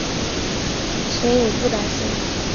所以我不担心